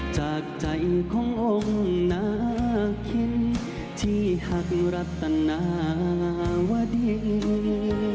จากใจขององค์นาคินที่หักรัตนาวดี